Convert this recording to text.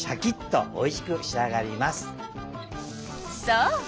そう。